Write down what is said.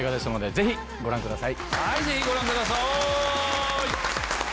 ぜひご覧ください。